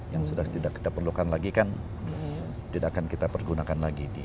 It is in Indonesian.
yang sudah tidak kita perlukan lagi kan tidak akan kita pergunakan lagi